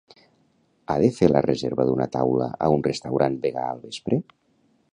He de fer la reserva d'una taula a un restaurant vegà al vespre.